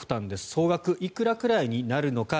総額いくらくらいになるのか。